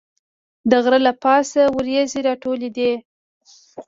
د غره له پاسه وریځې راټولېدې.